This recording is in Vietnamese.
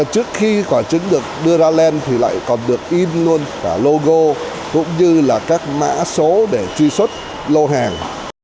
trước khi quả trứng được đưa ra lên thì lại còn được in luôn cả logo cũng như là các mã số để truy xuất lô hàng